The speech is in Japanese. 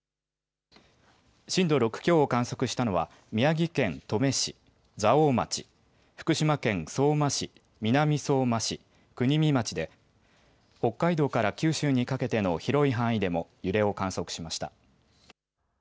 震度６強を観測したのは宮城県登米市、蔵王町、福島県相馬市、南相馬市、国見町で北海道から九州にかけての広い範囲でも揺れを観測しました。